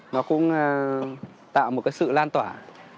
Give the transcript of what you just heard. nó cũng tạo một cái sự lan tỏa